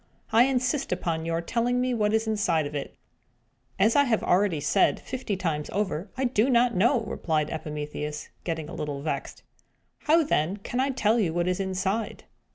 I insist upon your telling me what is inside of it." "As I have already said, fifty times over, I do not know!" replied Epimetheus, getting a little vexed. "How, then, can I tell you what is inside?"